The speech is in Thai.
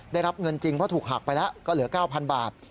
ได้รับเงินจริงเพราะถูกหักไปแล้วก็เหลือ๙๐๐บาท